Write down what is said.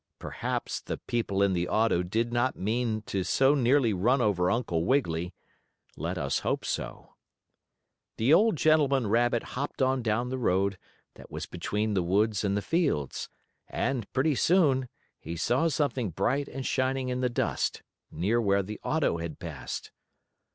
Perhaps the people in the auto did not mean to so nearly run over Uncle Wiggily. Let us hope so. The old gentleman rabbit hopped on down the road, that was between the woods and the fields, and, pretty soon, he saw something bright and shining in the dust, near where the auto had passed.